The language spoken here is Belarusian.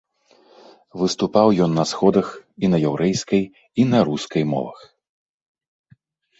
Выступаў ён на сходах і на яўрэйскай і на рускай мовах.